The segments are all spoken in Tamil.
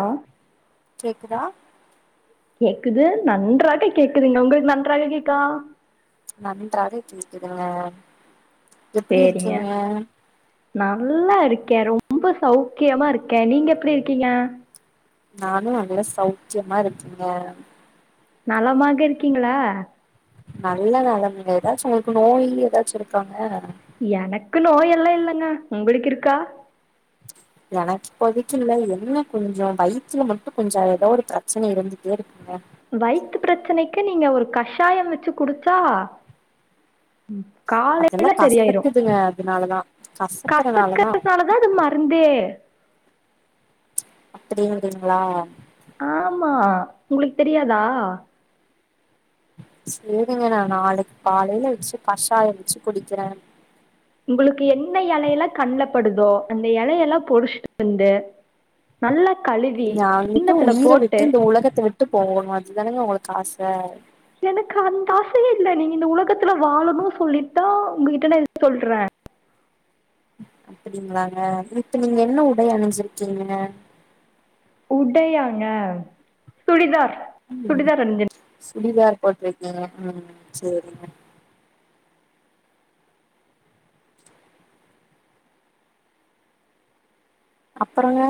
ஆ கேக்குதா கேக்குது நன்றாக கேக்குதுங்க உங்கள்கு நன்றாக கேக்கா நன்றாக கேக்குதுங்க எப்டி சேரிங்க இருக்கீங்க நல்லா இரு க்கே ரொம்ப சௌக்கியமா இருக்கே நீங்க எப்டி இருக்கீங்க நானு நல்ல சௌக்கியமா இருக்கேங்க நலமாக இருக்கீங்களா நல்ல நலம்ங்க ஏதாச்சு உங்களுக்கு நோய் ஏதாச்சு இருக்காங்க எனக்கு நோயெல்லா இல்லங்க உங்களுக்கு இருக்கா எனக்கு இப்போதைக்கி இல்ல என்ன கொஞ்சொ வயித்துல மட்டு கொஞ்ச ஏதோ ஒரு பிரச்சன இருந்துட்டே இருக்குங்க வயித்து பிரச்சனைக்கு நீங்க ஒரு கஷாயம் வச்சு குடிச்சா அதெல்லா காலைல சரியாயிரு கசக்குதுங்க அதனாலதா கசக்கறனாலதா கசக்கரநாலதா அது மருந் து அப்டிங்கிறிங்ளா ஆமா ஒங்ளுக்கு தெரியாதா சேரிங்க நா நாளைக்கு காலைல வச்சி கஷாயோ வச்சி குடிக்கிறே ஒங்ளுக்கு என்ன எலையெல்லா கண்லபடுதோ அந்த எலையெல்லா பொரிச்சுட்டு வந்து நல்லா கழுவி நா வந்துட்டு கிண்ணத்துல உயிர போட்டு விட்டு இந்த உலகத்த விட்டு போகனு அதுதானேங்க ஒங்ளுக்கு ஆச எனக்கு அந்த ஆசையே இல்ல நீங்க இந்த உலகத்துல வாழனு சொல்லிட் தா ஒங்ககிட்ட நா இத சொல்றே அப்டிங்களாங்க இப்ப நீங்க என்ன உடை அணிஞ்சிருக்கீங்க உடையாங்க சுடிதார் ம் சுடிதார் [unintelligible] சுடிதார் போட்ருக்கீங்க ம் சேரிங்க அப்றோங்க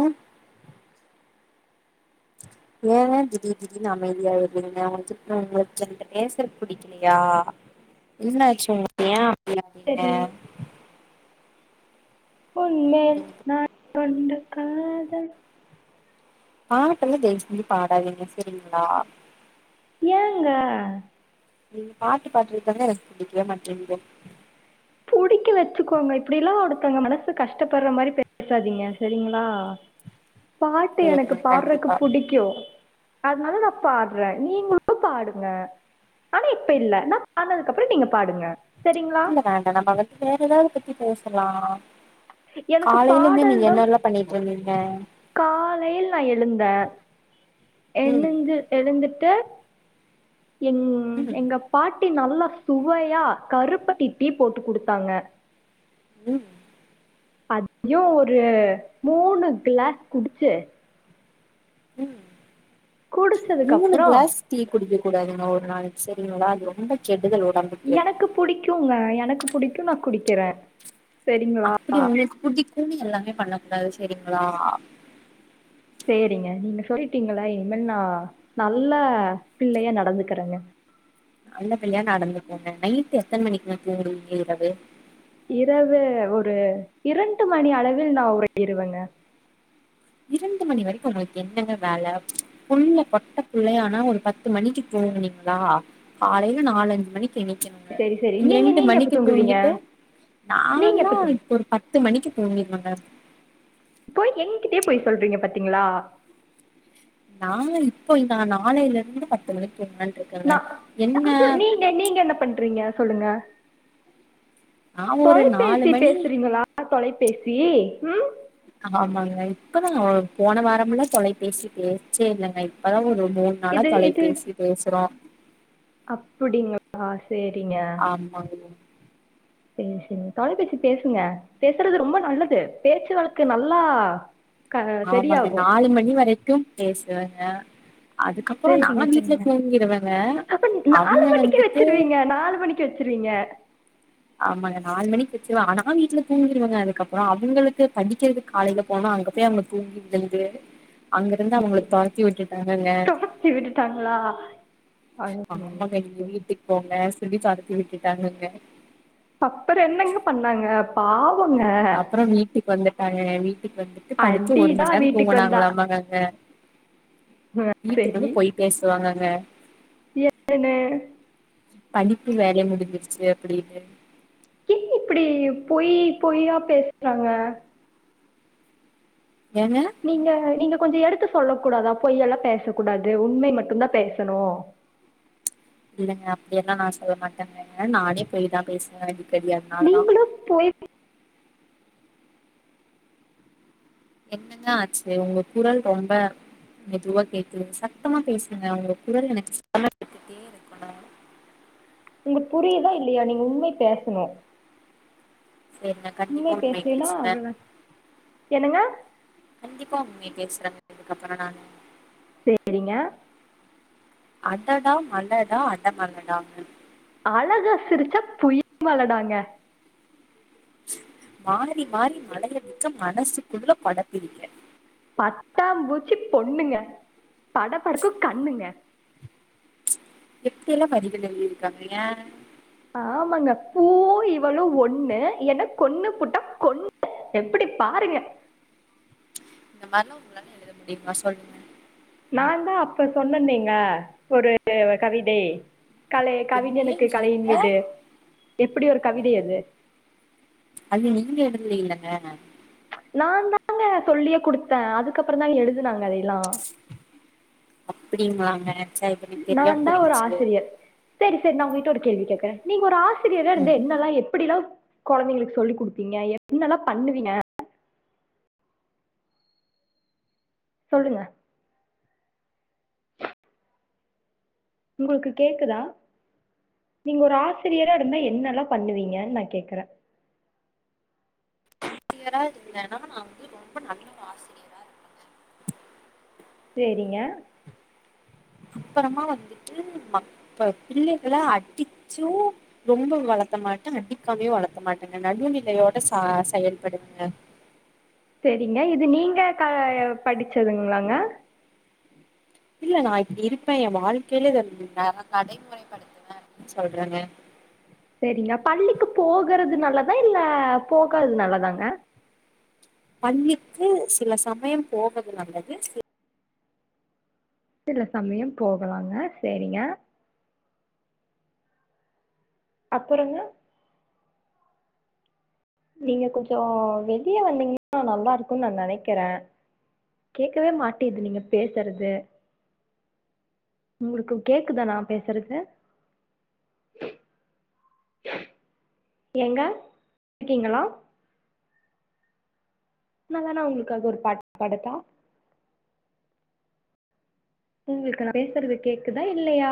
ஏங்க திடீர் திடீர்னு அமைதியாயிரீங்க ஒங்ளுக்கு இப்ப என்ட பேசறது புடிக்கலையா என்னாச்சு ஒங்ளுக்கு ஏ அப்டி ஆரிங்க ஒன்மேல் நான் கொண்ட காதல் பாட்டெல்லா தயவு செஞ்சி பாடாதீங்க செரிங்ளா ஏங்க நீங்க பாட்டு பாட்றது தாங்க எனக்கு புடிக்கவே மாட்டேங்கிது புடிக்க வச்சுக்கோங்க இப்டிலா ஒருத்தவங்க மனச கஷ்டப்பட்ற மாரி பேசாதீங்க சரிங்ளா பாட்டு எனக்கு சேரிங்க பாட்றக்கு கண்டிப்பா புடிக்கு அதனால நா பாட்றே நீங்ளு பாடுங்க ஆனா இப்ப இல்ல நா பாட்னதுக்கப்றோ நீங்க பாடுங்க சரிங்களா இல்ல வேண்ட நம்ப வந்து வேற எதாவது பத்தி பேசலா எனக்கு காலைல இருந்து நீங்க என்னலா பண்ணிட்ருந்தீங்க காலைல நா எழுந்தே எழுந்து ம் எ இருந்துட்டு எங் ம் எங்க பாட் டீ நல்லா சுவையா கருப்பட்டி டீ போட்டு குடுத்தாங்க ம் அதையு ஒரு மூணு கிளாஸ் குடிச்சி ம் குடிச்சதுக்கு மூணு அப்புறம் கிளாஸ் டீ குடிக்க கூடாதுங்க ஒரு நாளைக்கு செரிங்களா அது ரொம்ப கெடுதல் உடம்புக்கு எனக்கு புடிக்குங்க எனக்கு புடிக்கு நா குடிக்கறே அப்டி ஒங்ளுக்கு புடிக்குனு எல்லாமே பண்ணக்கூடாது செரிங்களா சேரிங்க நீங்க சொல்லிடீங்களா இனிமேல் நா நல்ல பிள்ளையா நடந்துக்கறேங்க நல்ல பிள்ளையா நடந்துக்கோங்க நைட்டு எத்தன மணிக்குங்க தூங்குறீங்க இரவு இரவு ஒரு இரண்டு மணி அளவில் நா உறங்கிருவேங்க இரண்டு மணி வரைக்கு ஒங்ளுக்கு என்னங்க வேல புள்ள பொட்ட புள்ளையானா ஒரு பத்து மணிக்கு தூ ங்னீங்களா காலைல நாலஞ்சு மணிக் கு எணிக்கனுங்க சரி சரி நீங்க ரெண்டு எப்ப மணிக்கு தூங்குவீங்க தூங்கிட்டு நீங்க எப்ப நாலா தூங்குவீங்க இப்ப ஒரு பத்து மணிக்கு தூங்கிருவேங்க பொய் எங்கிட்டே பொய் சொல்றீங்க பாத்தீங்களா நா இப்போ இல்ல நா நாளைல இருந்து பத்து மணிக்கு தூங்கலான்ட்டு இருக்கேங்க நா என்ன [unintelligible] நீங்க நீங்க என்ன பண்றீங்க சொல்லுங்க நா ஒரு நாலு தொலைபேசி மணி பேசுறீங்களா தொலைபேசி ம் ஆமா ஆமாங்க இப்பதா ஒரு போன வாரம்லா தொலைபேசி பேச்சே இல்லங்க இப்பதா ஒரு மூணு நாளா தொலைபேசி பேசுறோ அப்டிங்களா சேரிங்க ஆமாங்க செரி செரி தொலைபேசி பேசுங்க பேசுறது ரொம்ப நல்லது பேச்சு வழக்கு நல்லா க ஆமாங்க சரியாகும் நாலு மணி வரைக்கும் பேசுவங்க சேரிங்க செரிங்க தூங்கிருவேங்க அப்ப நாலு அவங்க மணிக்கு வந்துட்டு வச்சிருவீங்க நாலு மணிக்கு வச்சிருவீ ங்க [inaudible] ஆமாங்க நாலு மணிக்கு வச்சிருவ ஆனா வீட்டுல தூங்கிருவாங்க அதுக்கப்புறம் அவங்களுக்கு படிக்கிறதுக்கு காலையில போனா அங்க போய் அவங்க தூங்கி விழுந்து அங்க இருந்து அவங்களுக்கு தொரத்தி விட்டுட்டு ங்க துரத்தி விட்டுட்டாங்களா ஆமாங்க நீங்க வீட்டுக்கு போங்க சொல்லி பாத்தி விட்டுட்டாங்கங்க அப்புறம் என்னங்க பண்ணாங்க பாவ் அப்புறம் வீட்டுக்கு வந்துட்டாங்க வீ ட்டுக்கு வந்துட்டு படுத்து ஒரு அடிதா மணி நேரம் வீட்டுக்கு வந்தா தூங்கனாமாங்களாங்க ஙக ஆ வீட்டுக்கு சரி வந்து போய் பேசுவாங்கங்க என்னனு எப்டி வேலைய முடிஞ்சிருச்சு அப்படின்னு கி இப்படி பொய் பொய்யா பேசுறாங்க ஏங்க நீங்க நீங்க கொஞ்சம் எடுத்து சொல்ல கூடாதா பொய்ய எல்லாம் பேசக்க கூடாது உண்மை மட்டும் தான் பேசணு இல்லைங்க அப்படியெல்லாம் நான் சொல்ல மாட்டேங்கேங்க நானே போய் தான் பேசுவன் தெரியாதனாலதான் நீங்களு பொய் என்னங்க ஆச்சு உங்க குரல் ரொம்ப மெதுவா கேக்குது சத்தமா பேசுங்க உங்க குரல் எனக்கு சுத்தமா டே இரு மா உங்க புரியுதா இல்லையா நீங்க உண்மை பேசணும் சரி நான் கண்டிப்பா உண்மை பேசுவ அவ்ளோதா என்னங்க கண்டிப்பா உண்மை பேசுரங்க இதுக்கப்புற நானு செரிங்க அடடா மழடா அட மழடாங்க அழகா சிரிச்சா புயல் மழடாங்க மாறி மாறி மழயை விக்க மனசுக்குள்ள கொடபிடிக்க பத்தாம் பூச்சி பொண்ணுங்க பட படக்கும் கண்ணுங்க எப்படியெல்லாம் பதிவுல எழுதிருக்காங்கீங்க ஏன் ஆமாங்க பூ இவளோ ஒண்ணு ஏன்னா கொண்ணு புட்டா கொண்ணு எப்படி பாருங்க இந்த மாதிரிலாம் உங்களாலா எழுத முடியுமா சொல்லுங்க நான் தான் அப்ப சொன்னேங்க ஒரு கவிதை கலை பெண்ணே கவிஞனுக்கு நீ கலையின் என்ன மீது எப்படி ஒரு கவிதை அது அது நீங்க எழுத இல்லீங்க நான் தாங்க சொல்லியே குடுத்தேன் அதுக்கப்புறம் தாங்க எழுதுனாங்க அதெ எல்லாம் அப்படிங்களாங்க நான் தான் ஒரு ஆசிரியர் சரி சரி நான் உங்கிட்ட ஒரு கேள்வி கேக்றேன் நீங்க ஒரு ஆசிரி யரா ம் இருந்த என்னெல்லாம் எப்படி எல்லாம் கொழந்தைங்களுக்கு சொல்லி் கொடுப்பீங்க என்னெல்லாம் பண்ணுவீங்க சொல்லுங்க உங்களுக்கு கேக்குதா நீங்க ஒரு ஆசிரியரா இருந்தா என்னல்லா பண்ணுவீங்கன்னு நான் கேக்குறேன் ஆசிரியரா இருந்தேன்னா நான் வந்து ரொம்ப நல்லொரு ஆசிரியரா இருப்பங்க செரிங்க அப்புறமா வந்துட்டு மத்ல பிள்ளைகளை அடிச்சும் ரொம்ப வளர்த்தமா ட்ட அடிக்காமே வளர்த்த மாட்டேங்க நடுவுநிலையோட சா செயல்படுவங்க செரிங்க இது நீங்க படிச்சதுங்களாங்க இல்ல நா இப்டி இருப்பே எ வாழ்க்கைல இத நா நடைமுறைப்படுத்துவே சொல்றங்க சேரிங்க பள்ளிக்கு போகறது நல்லதா இல்ல போகாதது நல்லதாங்க பள்ளிக்கு சில சமயம் போவது நல்லது சில சில சமயம் போகலாங்க சேரிங்க அப்பறங்க நீங்க கொஞ்ச வெளிய வந்தீங்னா நல்லாருக்குன் நா நெனைக்கிறே கேக்கவே மாட்டிது நீங்க பேசறது உங்களுக்கு கேக்குதா நா பேசறது ஏங்க இருக்கீங்களா நா வேனா உங்களுக்காக ஒரு பாட் பாடட்டா உங்களுக்கு நா பேசறது கேக்குதா இல்லயா